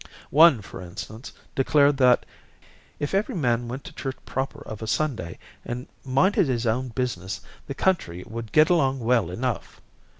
One, for instance, declared that "if every man went to church proper of a Sunday and minded his own business the country would get along well enough."